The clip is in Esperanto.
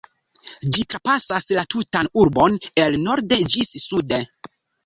Ĝi trapasas la tutan urbon, el norde ĝis sude.